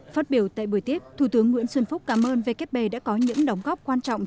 phát biểu tại buổi tiếp thủ tướng nguyễn xuân phúc cảm ơn vkp đã có những đóng góp quan trọng